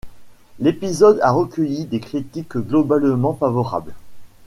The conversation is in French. L'épisode a recueilli des critiques globalement favorables.